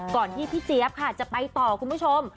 ที่พี่เจี๊ยบค่ะจะไปต่อคุณผู้ชม